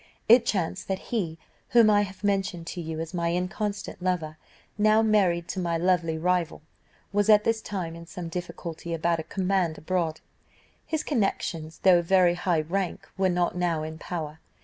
It chanced that he, whom I have mentioned to you as my inconstant lover, now married to my lovely rival, was at this time in some difficulty about a command abroad. His connections, though of very high rank were not now in power.